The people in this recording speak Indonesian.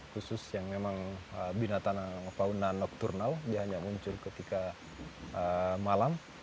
kus kus yang memang binatang fauna nocturnal dia hanya muncul ketika malam